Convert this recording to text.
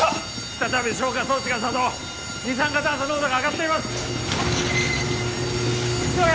再び消火装置が作動二酸化炭素濃度が上がっています急げ！